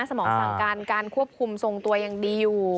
สมองสั่งการการควบคุมทรงตัวยังดีอยู่